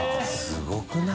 すごくない？